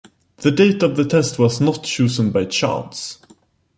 The date of the test was not chosen by chance.